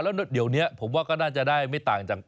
แล้วเดี๋ยวนี้ผมว่าก็น่าจะได้ไม่ต่างจาก